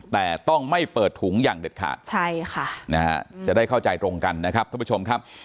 แต่ต้องไม่เปิดถุงอย่างเด็ดขาดใช่ค่ะนะฮะจะได้เข้าใจตรงกันนะครับท่านผู้ชมครับ